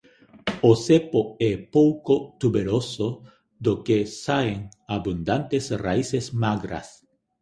O cepo é pouco tuberoso do que saen abundantes raíces magras.